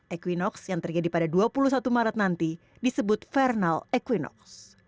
equinox yang terjadi pada dua puluh satu maret nanti disebut fernal equinox